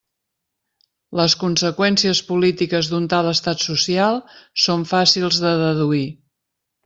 Les conseqüències polítiques d'un tal estat social són fàcils de deduir.